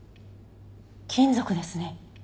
金属ですね。